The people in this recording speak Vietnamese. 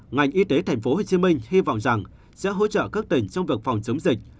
ngành y tế tp hcm hy vọng rằng sẽ hỗ trợ các tỉnh trong việc phòng chống dịch